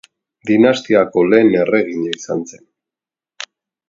Dinastiako lehen erregina izan zen.